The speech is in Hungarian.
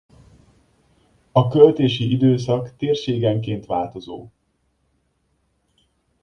A költési időszak térségenként változó.